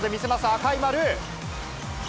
赤い丸。